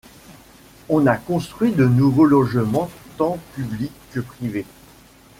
On a construit de nouveaux logements tant publics que privées.